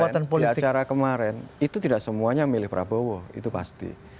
yang datang kemarin di acara kemarin itu tidak semuanya milih prabowo itu pasti